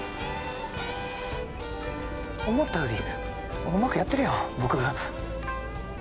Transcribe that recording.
思ったよりうまくやってるやん僕。